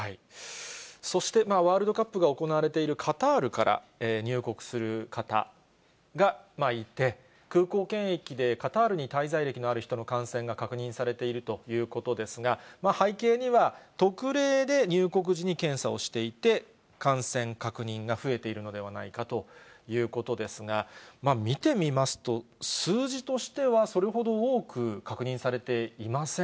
そしてワールドカップが行われているカタールから入国する方がいて、空港検疫でカタールに滞在歴のある人の感染が確認されているということですが、背景には特例で入国時に検査をしていて、感染確認が増えているのではないかということですが、見てみますと、数字としてはそれほど多く確認されていません。